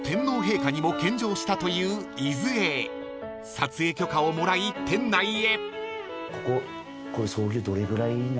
［撮影許可をもらい店内へ］